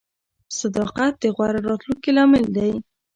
• صداقت د غوره راتلونکي لامل دی.